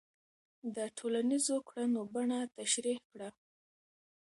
د ټولنیزو کړنو بڼه تشریح کړه.